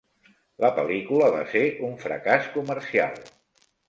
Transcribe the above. La pel·lícula va ser un fracàs comercial.